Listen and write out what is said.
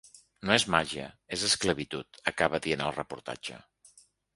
No és màgia, és esclavitud, acaba dient el reportatge.